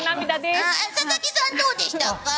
佐々木さんはどうでしたか？